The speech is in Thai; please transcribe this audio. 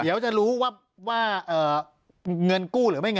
ปากกับภาคภูมิ